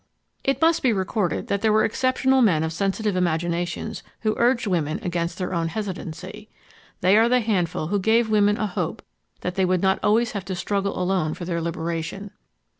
It must be recorded that there were exceptional men of sensitive imaginations who urged women against their own hesitancy. They are the handful who gave women a hope that they would not always have to struggle alone for their liberation.